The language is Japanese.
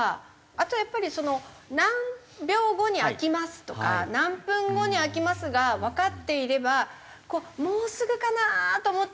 あとはやっぱり何秒後に開きますとか何分後に開きますがわかっていればこうもうすぐかなと思って。